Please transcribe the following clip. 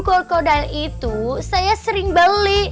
blue crocodile itu saya sering beli